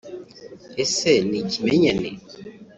…Ese ni ikimenyane